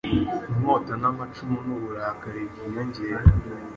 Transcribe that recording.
Inkota n'amacumu n'uburakari byiyongera